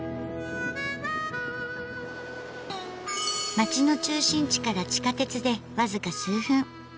街の中心地から地下鉄で僅か数分。